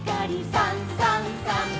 「さんさんさん」